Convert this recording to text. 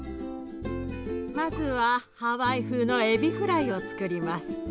まずはハワイ風のエビフライをつくります。